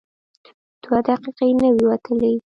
دوه دقیقې نه وې وتلې.